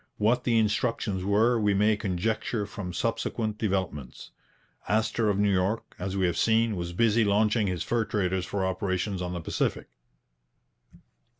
What the instructions were we may conjecture from subsequent developments. Astor of New York, as we have seen, was busy launching his fur traders for operations on the Pacific.